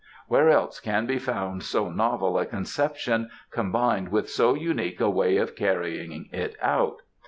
Where else can be found so novel a conception combined with so unique a way of carrying it out?